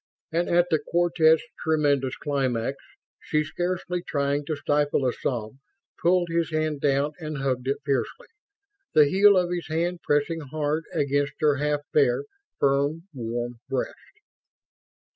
And at the Quartette's tremendous climax she, scarcely trying to stifle a sob, pulled his hand down and hugged it fiercely, the heel of his hand pressing hard against her half bare, firm, warm breast.